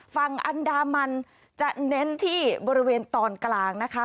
ฝั่งอันดามันจะเน้นที่บริเวณตอนกลางนะคะ